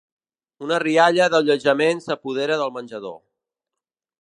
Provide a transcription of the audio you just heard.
Una rialla d'alleujament s'apodera del menjador.